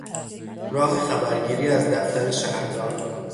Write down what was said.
راه خبرگیری از دفتر شهردار